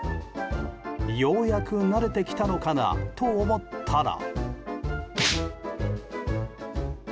ようやく慣れてきたのかなと思ったら。